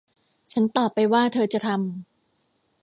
ฉันตอบไปว่าเธอจะทำ